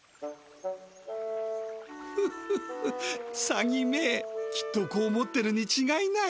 フフフサギめきっとこう思ってるにちがいない。